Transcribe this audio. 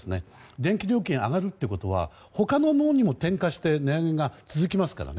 電気料金上がるということは他のものにも転嫁して値上げが続きますからね。